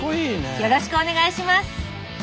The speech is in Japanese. よろしくお願いします。